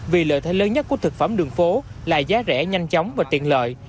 vì lợi thế lớn nhất của thực phẩm đường phố là giá rẻ nhanh chóng và tiện lợi